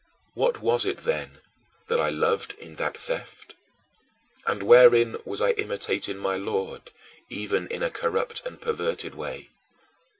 What was it, then, that I loved in that theft? And wherein was I imitating my Lord, even in a corrupted and perverted way?